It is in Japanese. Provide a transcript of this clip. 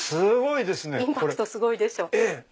インパクトすごいでしょ。